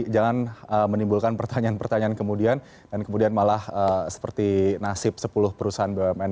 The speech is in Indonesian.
jangan menimbulkan pertanyaan pertanyaan kemudian dan kemudian malah seperti nasib sepuluh perusahaan bumn